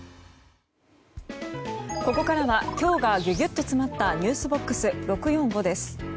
ここからは今日がギュギュッと詰まったｎｅｗｓＢＯＸ６４５です。